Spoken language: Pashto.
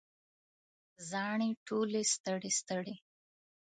زاڼې ټولې ستړي، ستړي